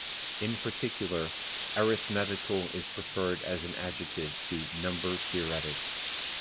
In particular, "arithmetical" is preferred as an adjective to "number-theoretic".